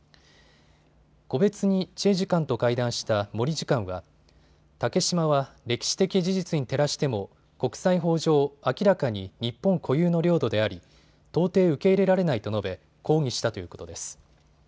個別にチェ次官と会談した森次官は竹島は歴史的事実に照らしても国際法上、明らかに日本固有の領土であり到底受け入れられないと述べ抗議したということです。